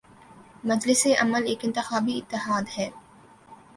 مجلس عمل ایک انتخابی اتحاد ہے۔